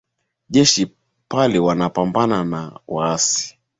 jeshi pale vinapambana na waasi